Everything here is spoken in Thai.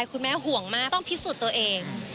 ห่วงมากต้องพิสูจน์ตัวเอง